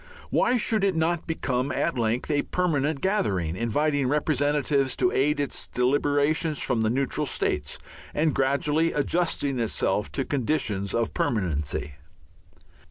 Why should it not become at length a permanent gathering, inviting representatives to aid its deliberations from the neutral states, and gradually adjusting itself to conditions of permanency?